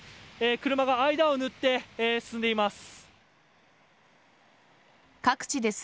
車が間を縫って進んでいます。